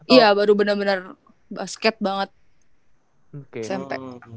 iya baru bener bener basket banget smp